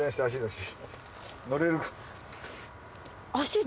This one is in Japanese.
のれるか。